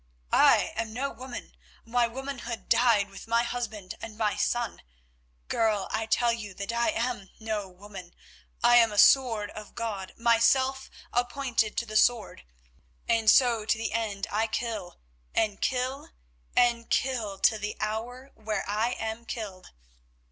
I am no woman; my womanhood died with my husband and my son. Girl, I tell you that I am no woman; I am a Sword of God myself appointed to the sword. And so to the end I kill, and kill and kill till the hour when I am killed.